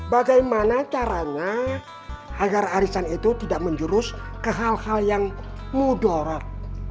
bagaimana caranya agar arisan itu tidak menjurus ke hal hal yang mudorot